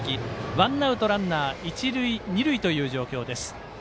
ワンアウト、ランナー、一塁二塁という状況です。